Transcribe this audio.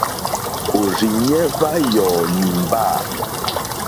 Òrzìɲɛ́ hwá yɔ̀ɔ̀ nìmbâ.